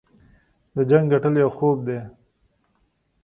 د جنګ ګټل یو خوب دی.